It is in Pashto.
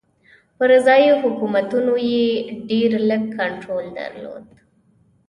پر ځايي حکومتونو یې ډېر لږ کنټرول درلود.